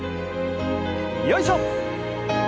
よいしょ！